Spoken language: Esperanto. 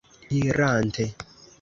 irante